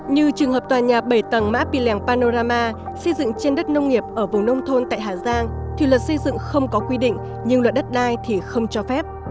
như trường hợp tòa nhà bảy tầng mã pì lèng panorama xây dựng trên đất nông nghiệp ở vùng nông thôn tại hà giang thì luật xây dựng không có quy định nhưng luật đất đai thì không cho phép